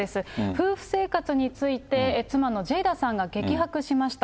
夫婦生活について、妻のジェイダさんが激白しました。